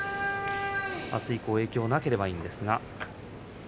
あす以降影響がなければいいんですが。